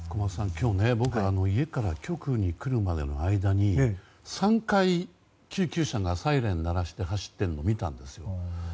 今日僕、家から局に来るまでの間に３回、救急車がサイレンを鳴らして走っているのを見たんですよ。